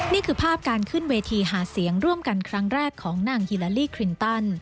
นี่คือภาพการขึ้นเวทีหาเสียงร่วมกันครั้งแรกของนางฮิลาลีคลินตัน